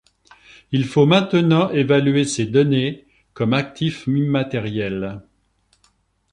Il faut maintenant évaluer ces données comme actifs immatériels.